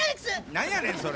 なんやねん、それ。